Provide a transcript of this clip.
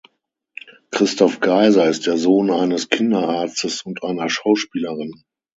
Christoph Geiser ist der Sohn eines Kinderarztes und einer Schauspielerin.